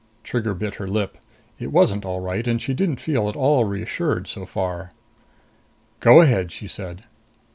Trigger bit her lip. It wasn't all right, and she didn't feel at all reassured so far. "Go ahead," she said.